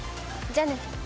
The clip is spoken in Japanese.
じゃあね。